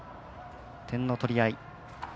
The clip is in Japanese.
点の取り合い。